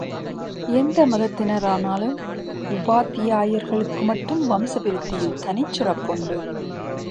எந்த மதத்தினரானாலும், உபாத்தியாயர்களுக்கு மட்டும் வம்ச விருத்தியில் தனிச் சிறப்பு உண்டு.